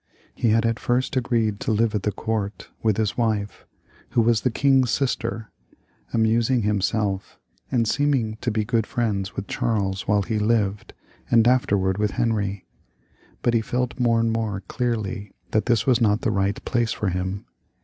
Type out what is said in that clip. He had at first agreed to live at the court with his wife, who was the king's sister, amusing himself, and seeming to be good friends with Charles while he lived, and afterwards with Henry. But he felt more and more clearly tihiat this was not the right place for him.